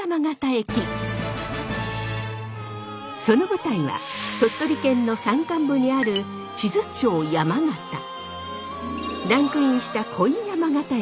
その舞台は鳥取県の山間部にある智頭町山形。